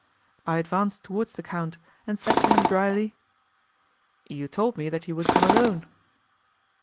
I advanced towards the count, and said to him dryly, "You told me that you would come alone."